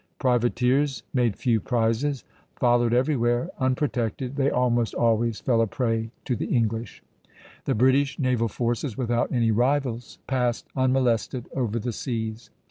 Privateers made few prizes; followed everywhere, unprotected, they almost always fell a prey to the English. The British naval forces, without any rivals, passed unmolested over the seas.